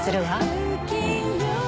うん。